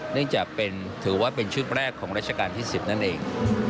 เนื่องจากถือว่าเป็นชุดแรกของราชการที่๑๐นั่นเอง